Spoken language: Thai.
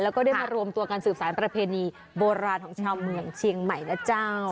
แล้วก็ได้มารวมตัวกันสืบสารประเพณีโบราณของชาวเมืองเชียงใหม่นะเจ้า